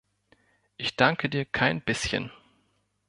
Ich danke dir kein bisschen.